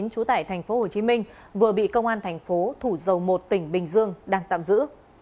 trú tại tp hcm vừa bị công an tp thủ dầu một tỉnh bình dương đang tạm giữ